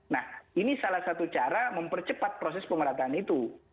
nah ini salah satu cara mempercepat proses pemerataan itu